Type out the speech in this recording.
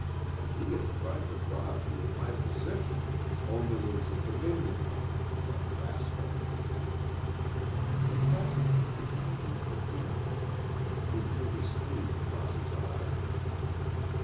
And he has tried to rob me of my position, only it is a Dominion one the rascal!" The captain was becoming incoherent. He drew his sleeve across his eyes.